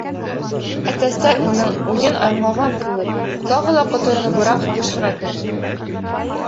Әтәстәр, уның уйын аңлаған кеүек, тағы ла ҡоторонобораҡ һуғышырға кереште.